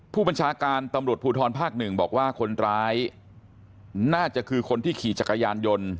ผู้บัญชาการตำรวจภูทรภาคหนึ่งบอกว่าคนร้ายน่าจะคือคนที่ขี่จักรยานยนต์